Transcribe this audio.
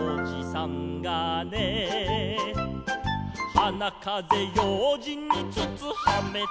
「はなかぜようじんにつつはめた」